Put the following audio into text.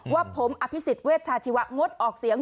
ว่าผมอภิษฎเวชชาชีวะงดออกเสียง